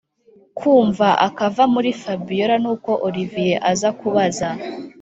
kumva akava muri fabiora nuko olivier aza kubaza